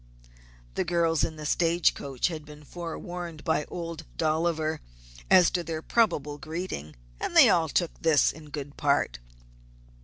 The girls in the stage coach had been forewarned by Old Dolliver as to their probable greeting, and they took this all in good part.